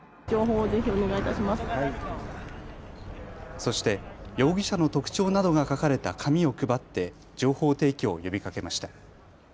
そして容疑者の特徴などが書かれた紙を配って情報提供を呼びかけました。